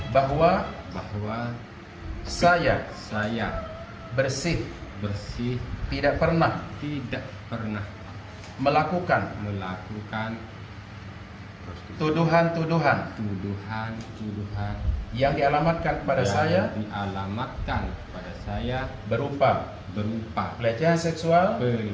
bahwa saya bersih tidak pernah melakukan tuduhan tuduhan yang dialamatkan kepada saya berupa pelecehan seksual